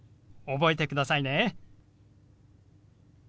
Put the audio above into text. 覚えてくださいね。